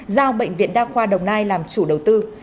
giao bệnh viện đa khoa đồng nai làm chủ đầu tư